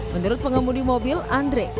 menurut pengemudi mobil andre